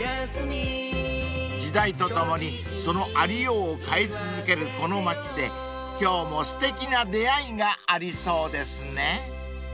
［時代とともにそのありようを変え続けるこの町で今日もすてきな出会いがありそうですね］